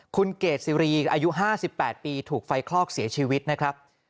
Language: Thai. คุณเกดซีรีอายุ๕๘ปีถูกไฟคลอกเสียชีวิตนะครับ